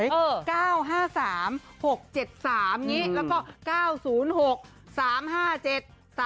๙๕๓๖๗๓อย่างนี้แล้วก็๙๐๖๓๕๗๓